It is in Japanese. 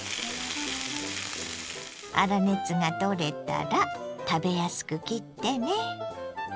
粗熱が取れたら食べやすく切ってね。